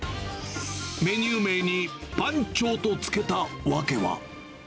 メニュー名に番長と付けた訳は。